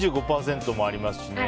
２５％もありますし。